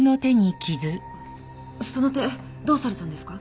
その手どうされたんですか？